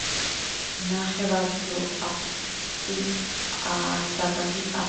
ნახევარწრიულ აფსიდს წინ არდაბაგი აქვს.